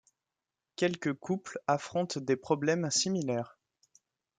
Quelques couples affrontent des problèmes similaires.